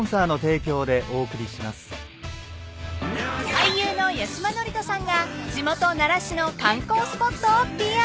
［俳優の八嶋智人さんが地元奈良市の観光スポットをＰＲ］